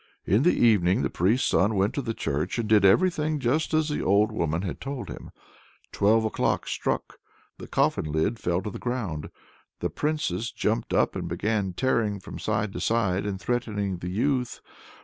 In the evening the priest's son went to the church, and did everything just as the old woman had told him. Twelve o'clock struck, the coffin lid fell to the ground, the Princess jumped up and began tearing from side to side, and threatening the youth.